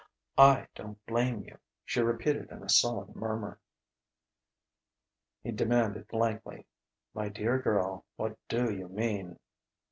"I don't blame you," she repeated in a sullen murmur. He demanded blankly: "My dear girl, what do you mean?"